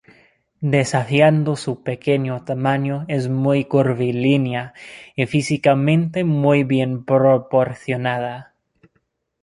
Desafiando su pequeño tamaño, es muy curvilínea y físicamente muy bien proporcionada.